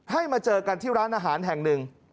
มาเจอกันที่ร้านอาหารแห่งหนึ่ง